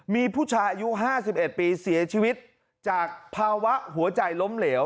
มีผู้ชายอายุ๕๑ปีเสียชีวิตจากภาวะหัวใจล้มเหลว